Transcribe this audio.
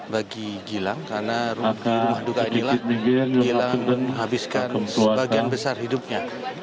bagi gilang karena rumah duka inilah gilang habiskan sebagian besar hidupnya